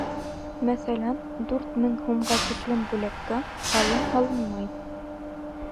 Мәҫәлән, дүрт мең һумға тиклем бүләккә һалым һалынмай.